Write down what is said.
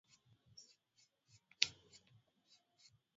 hali kadhalika wamefanya mkutano na waziri wa mambo ya nje alizidi jeje